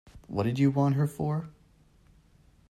What did you want her for?